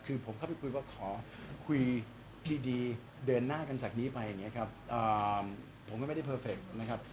คือผมเข้าไปคุยว่าขอคุยดีเดินหน้ากันจากนี้ไปอย่างนี้ครับผมก็ไม่ได้เพอร์เฟคนะครับ